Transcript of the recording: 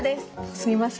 すいません。